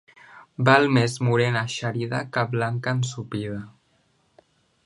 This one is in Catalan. Val més morena eixerida que blanca ensopida.